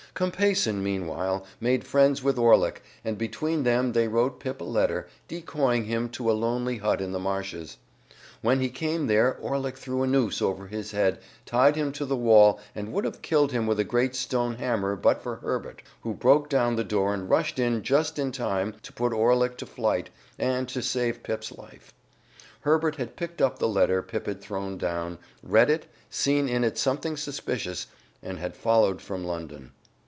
Compeyson, meanwhile, made friends with Orlick, and between them they wrote Pip a letter, decoying him to a lonely hut in the marshes. When he came there Orlick threw a noose over his head, tied him to the wall and would have killed him with a great stone hammer but for Herbert, who broke down the door and rushed in just in time to put Orlick to flight and to save Pip's life. Herbert had picked up the letter Pip had thrown down, read it, seen in it something suspicious, and had followed from London.